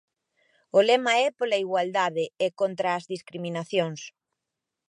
O lema é Pola igualdade e contra as discriminacións.